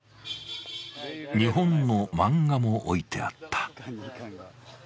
日本の漫画も置いてあった。